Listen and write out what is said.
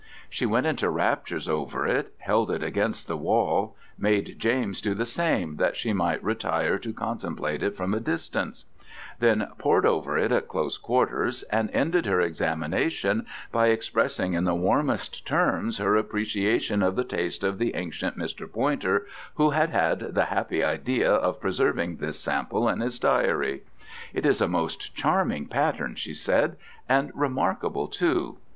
She went into raptures over it, held it against the wall, made James do the same, that she might retire to contemplate it from a distance: then pored over it at close quarters, and ended her examination by expressing in the warmest terms her appreciation of the taste of the ancient Mr. Poynter who had had the happy idea of preserving this sample in his diary. "It is a most charming pattern," she said, "and remarkable too.